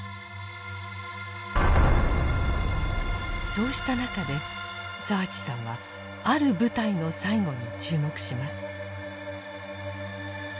そうした中で澤地さんはある部隊の最期に注目します。